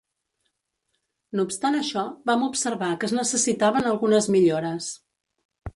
No obstant això, vam observar que es necessitaven algunes millores.